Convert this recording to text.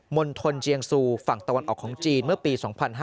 ณฑลเจียงซูฝั่งตะวันออกของจีนเมื่อปี๒๕๕๙